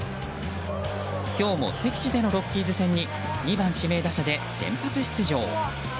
今日も、敵地でのロッキーズ戦に２番指名打者で先発出場。